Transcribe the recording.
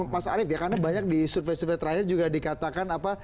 mas arief ya karena banyak di survei survei terakhir juga dikatakan apa